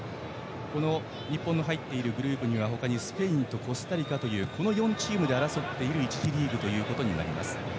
日本の入っているグループは他にスペインとコスタリカという４チームで争っている１次リーグとなります。